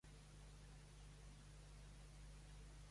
Políticament, es declara progressista i lliure per treballar.